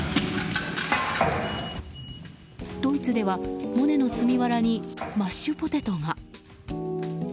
ドイツではモネの「積みわら」にマッシュポテトが。